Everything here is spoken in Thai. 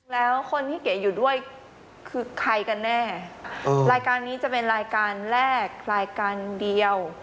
แล้วคนที่เก๋อยู่ด้วยคือใครกันแน่รายการนี้จะเป็นรายการแรกรายการเดียว